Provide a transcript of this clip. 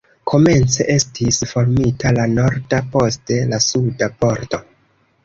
Komence estis formita la norda, poste la suda bordo.